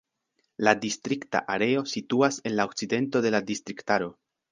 La distrikta areo situas en la okcidento de la distriktaro.